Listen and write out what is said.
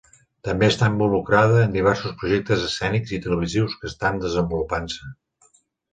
També està involucrada en diversos projectes escènics i televisius que estan desenvolupant-se.